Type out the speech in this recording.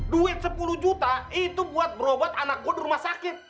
duit sepuluh juta itu buat berobat anakku di rumah sakit